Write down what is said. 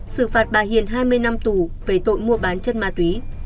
xử phạt bà hiền hai mươi năm tù về tội mua bán chất ma túy